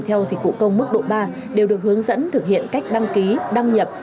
theo dịch vụ công mức độ ba đều được hướng dẫn thực hiện cách đăng ký đăng nhập